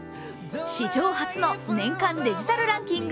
史上初の年間デジタルランキング